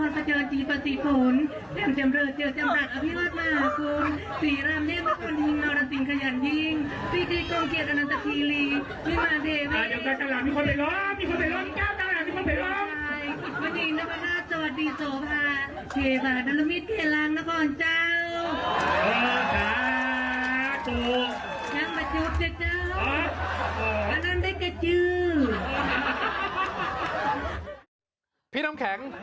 พี่น้ำแข็ง